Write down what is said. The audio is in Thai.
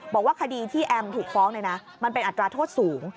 บอกว่าคดีที่แอมถูกฟ้องมันเป็นอัตราโทษสูง